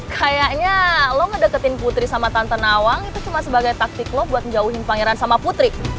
kayaknya lo ngedeketin putri sama tante nawang itu cuma sebagai taktik lo buat menjauhin pangeran sama putri